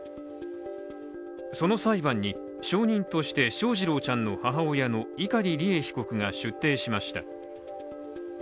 その裁判に証人として翔士郎ちゃんの母親の碇利恵被告が出廷しました。